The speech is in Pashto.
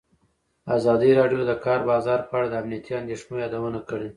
ازادي راډیو د د کار بازار په اړه د امنیتي اندېښنو یادونه کړې.